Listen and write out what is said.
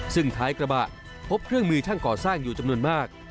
ซึ่งท้ายกระบะพบเครื่องมือช่างก่อสร้างอยู่จำนวนมาก